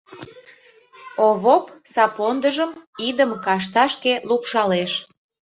Овоп сапондыжым идым кашташке лупшалеш.